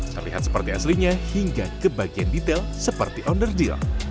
terlihat seperti aslinya hingga kebagian detail seperti on the deal